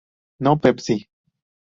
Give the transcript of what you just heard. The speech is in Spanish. No Pepsi.